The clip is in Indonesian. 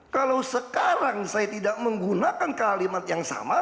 kalau sekarang saya tidak menggunakan kalimat yang sama